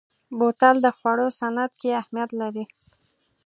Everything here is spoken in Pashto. بوتل د خوړو صنعت کې اهمیت لري.